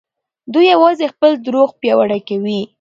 دوی يوازې خپل دروغ پياوړي کوي.